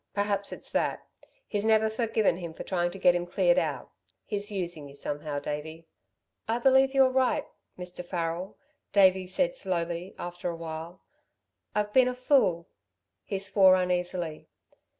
Perhaps it's that. He's never forgiven him for trying to get him cleared out. He's using you somehow, Davey." "I believe you're right, Mr. Farrel," Davey said slowly, after a while. "I've been a fool!" He swore uneasily.